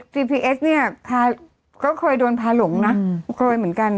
พีพีเอสเนี่ยก็เคยโดนพาหลงนะเคยเหมือนกัน